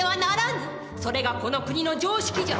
それがこの国の常識じゃ。